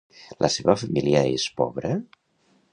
La seva família és pobra?